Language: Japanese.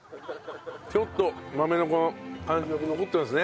ちょっと豆のこの感触残ってますね。